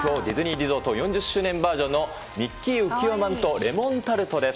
リゾート４０周年バージョンのミッキーうきわまんと、レモンタルトです。